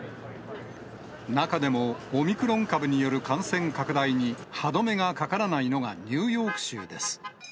中でもオミクロン株による感染拡大に歯止めがかからないのがニューヨーク州です。